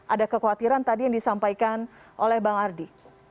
ada kekhawatiran tadi yang disampaikan oleh bang ardi